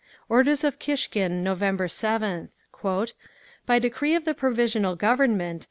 Orders of Kishkin, November 7th: "By decree of the Provisional Government….